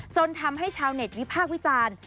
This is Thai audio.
จนทำให้ชาวเน็ตวิพากษ์วิจารณ์